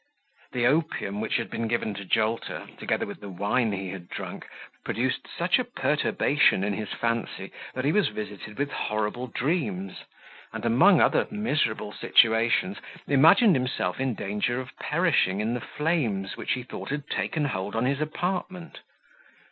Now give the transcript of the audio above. The opium which had been given to Jolter, together with the wine he had drunk, produced such a perturbation in his fancy, that he was visited with horrible dreams; and, among other miserable situations, imagined himself in danger of perishing in the flames, which he thought had taken hold on his apartment.